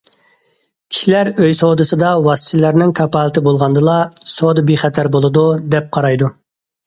كىشىلەر ئۆي سودىسىدا ۋاسىتىچىلەرنىڭ كاپالىتى بولغاندىلا، سودا بىخەتەر بولىدۇ، دەپ قارايدۇ.